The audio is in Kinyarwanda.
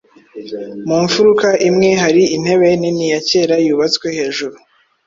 Mu mfuruka imwe hari intebe nini ya kera yubatswe hejuru